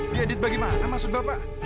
diedit bagaimana maksud bapak